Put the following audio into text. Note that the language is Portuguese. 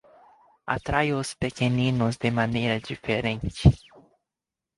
Atrai os pequeninos de maneira diferente.